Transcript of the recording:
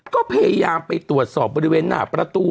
ก็พยายามไปตรวจสอบบริเวณหน้าประตู